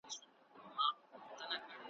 د رنګینۍ په بېلتانه کي مرمه `